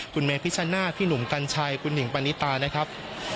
คุณเมพิชชนาธิพี่หนุ่มกัญชัยคุณหิงปณิตานะครับ